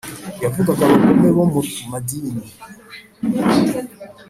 Yavugaga abagome bo mu madini.